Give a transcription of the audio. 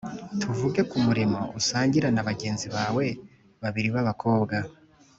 Tuvuge ko urimo usangira na bagenzi bawe babiri b abakobwa